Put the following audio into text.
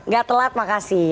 gak telat makasih